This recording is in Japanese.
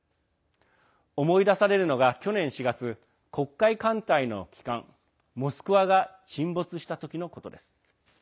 思い出されるのが去年４月黒海艦隊の旗艦「モスクワ」が沈没した時のことです。